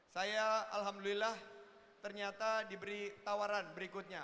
saya alhamdulillah ternyata diberi tawaran berikutnya